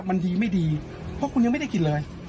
มันดีไม่ดีเพราะคุณยังไม่ได้กินเลย